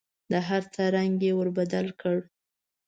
د هر څه رنګ یې ور بدل کړ .